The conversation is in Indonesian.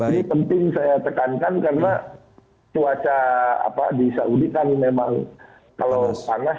ini penting saya tekankan karena cuaca di saudi kan memang kalau panas